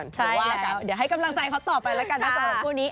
คือว่าเดี๋ยวให้กำลังใจเขาต่อไปแล้วกันนะสำหรับคู่นี้